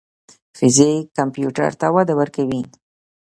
فزیک کمپیوټر ته وده ورکړه.